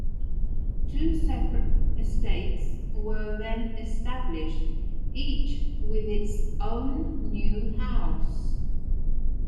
Two separate estates were then established, each with its own new house.